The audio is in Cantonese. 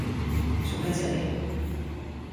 做咩啫你